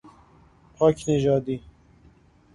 پاک نژادی